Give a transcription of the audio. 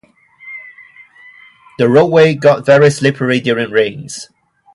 The roadway got very slippery during rains.